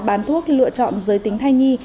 bán thuốc lựa chọn giữa tính thai nhi